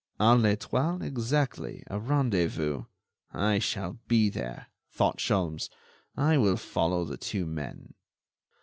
"A l'Etoile, exactly, a rendezvous. I shall be there," thought Sholmes. "I will follow the two men."